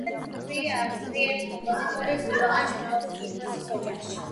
დაიბადა ცნობილი ავსტრიელი კომპოზიტორის იოჰან შტრაუს უფროსის ოჯახში.